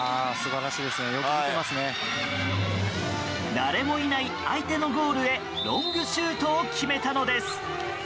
誰もいない相手のゴールへロングシュートを決めたのです。